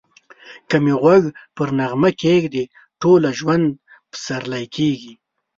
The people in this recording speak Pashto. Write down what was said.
که می غوږ پر نغمه کښېږدې ټوله ژوند پسرلی کېږی